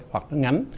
hoặc nó ngắn